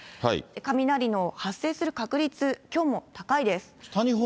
雷の発生する確率、きょうも高いです。